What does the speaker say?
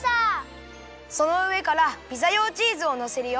そのうえからピザ用チーズをのせるよ。